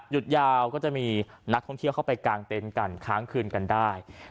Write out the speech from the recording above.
ยาวก็จะมีนักท่องเที่ยวเข้าไปกางเต็นต์กันค้างคืนกันได้